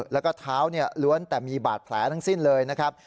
แล้วก็เท้าล้วนแต่มีบาดแผลทั้งสิ้นเลยนะครับ